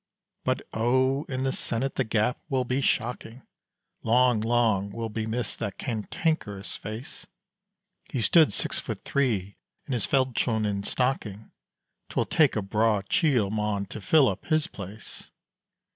But oh! in the Senate the gap, will be shocking! Long, long will be missed that cantankerous face He stood six feet three in his veldschoen and stocking. 'Twill take a braw chiel, mon, to fill up his place.